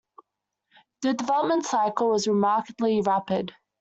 The development cycle was remarkably rapid.